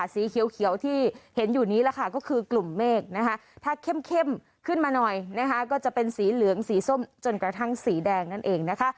สีเขียวที่เห็นอยู่นี้ก็คือกลุ่มเมฆถ้าเข้มขึ้นมาหน่อยก็จะเป็นสีเหลืองสีส้มจนกระทั่งสีแดง